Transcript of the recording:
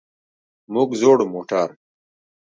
موږ زوړ موټر.